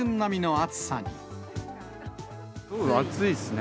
暑いですね。